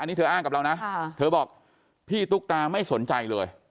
อันนี้เธออ้างกับเรานะเธอบอกพี่ตุ๊กตาไม่สนใจเลย